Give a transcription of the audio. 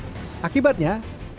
dan di dunia ini